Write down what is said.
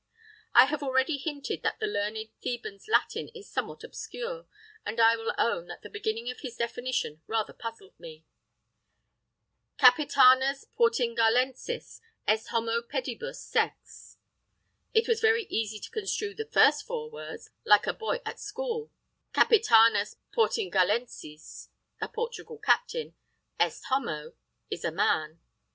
I have already hinted that the learned Theban's Latin is somewhat obscure, and I will own that the beginning of his definition rather puzzled me: "Capitanus Portingalensis est homo pedibus sex " It was very easy to construe the first four words, like a boy at school: Capitanus Portingalensis, a Portugal captain; est homo, is a man.